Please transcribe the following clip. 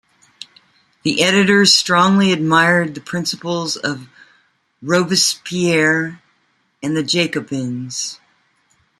The editors strongly admired the principles of Robespierre and the Jacobins.